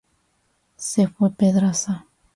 Se fue Pedraza.